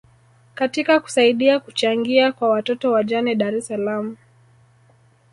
katika kusaidia kuchangia kwa watoto wajane dar es Salaam